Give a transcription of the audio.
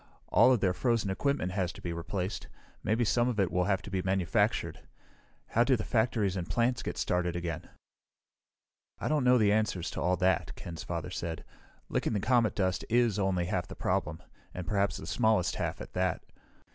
All of their frozen equipment has to be replaced. Maybe some of it will have to be manufactured. How do the factories and plants get started again?" "I don't know the answers to all that," Ken's father said. "Licking the comet dust is only half the problem and perhaps the smallest half, at that.